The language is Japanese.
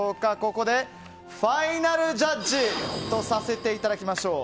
ここでファイナルジャッジとさせていただきましょう。